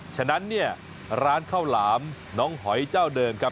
ฉะนั้นเนี่ยร้านข้าวหลามน้องหอยเจ้าเดิมครับ